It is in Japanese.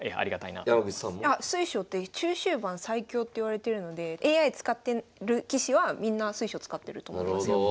山口さんも？水匠って中終盤最強っていわれてるのでＡＩ使ってる棋士はみんな水匠使ってると思いますよ。